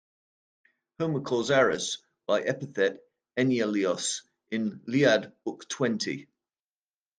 Homer calls Ares by the epithet "Enyalios" in "Iliad", book xx.